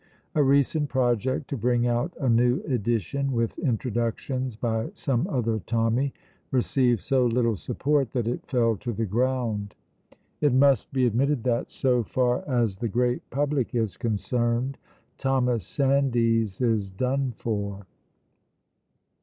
A recent project to bring out a new edition, with introductions by some other Tommy, received so little support that it fell to the ground. It must be admitted that, so far as the great public is concerned, Thomas Sandys is done for.